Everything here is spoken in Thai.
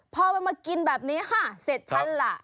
พอมันมากินแบบนี้ค่ะเสร็จฉันล่ะ